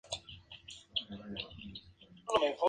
Era la única hija de sir Frederick Tilney y Elizabeth Cheney.